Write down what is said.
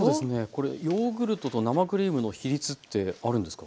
これヨーグルトと生クリームの比率ってあるんですか？